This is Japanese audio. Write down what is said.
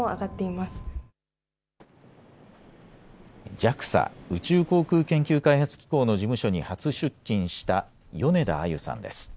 ＪＡＸＡ・宇宙航空研究開発機構の事務所に初出勤した米田あゆさんです。